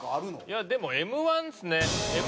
いやでもＭ−１ですね。